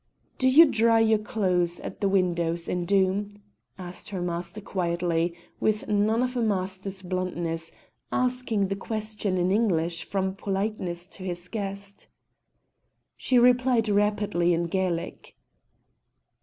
"Do you dry your clothes at the windows in Doom?" asked her master quietly, with none of a master's bluntness, asking the question in English from politeness to his guest. She replied rapidly in Gaelic.